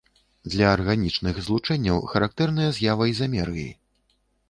Для арганічных злучэнняў характэрная з'ява ізамерыі.